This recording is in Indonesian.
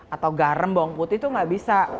atau garam bawang putih itu nggak bisa